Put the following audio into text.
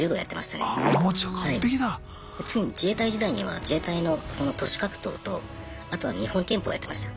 次に自衛隊時代には自衛隊のその徒手格闘とあとは日本拳法やってました。